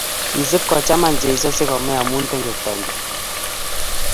Kisip kochama Jeso si kome amu tengektonyun.